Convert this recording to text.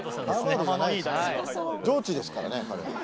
上智ですからね彼。